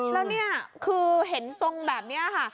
แล้วนี่คือเห็นทรงแบบนี้ค่ะ